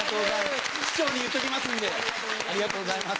市長に言っときますんでありがとうございます。